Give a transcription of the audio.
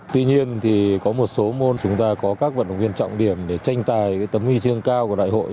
tuy nhiên thì có một số môn chúng ta có các vận động viên trọng điểm để tranh tài tấm huy chương cao của đại hội